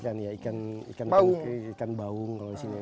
iya ikan baung kalau di sini